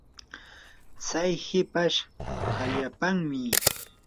tsay hipash hapallanmi.